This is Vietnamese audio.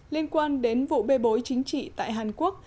liên quan đến vụ bê bối chính trị tại hàn quốc